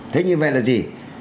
thế như vậy là gì